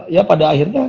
ya pada akhirnya